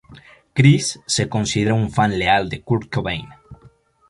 Chris se considera un fan leal de Kurt Cobain.